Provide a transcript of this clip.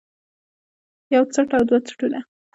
يو څټ او دوه څټونه